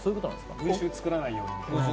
群衆を作らないように。